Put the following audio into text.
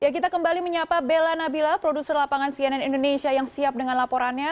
kita kembali menyapa bella nabila produser lapangan cnn indonesia yang siap dengan laporannya